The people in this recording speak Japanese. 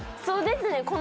そうですね。